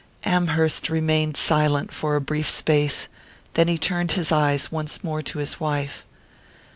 Amherst remained silent for a brief space; then he turned his eyes once more to his wife.